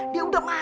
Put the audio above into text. dia udah mati